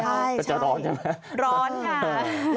จะร้อนนะ